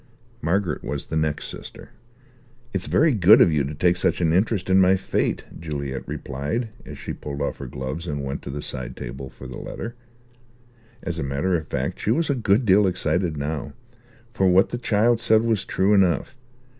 Margaret was the next sister. "It's very good of you to take such an interest in my fate," Juliet replied, as she pulled off her gloves and went to the side table for the letter. As a matter of fact she was a good deal excited now; for what the child said was true enough.